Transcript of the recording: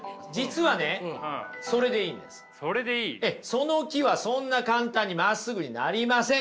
その木はそんな簡単にまっすぐになりません